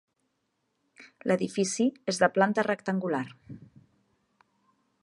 L'edifici és de planta rectangular.